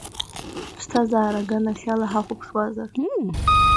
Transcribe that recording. Аԥсҭазаара аганахьала ҳахәаԥшуазар.